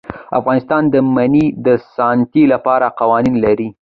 افغانستان د منی د ساتنې لپاره قوانین لري.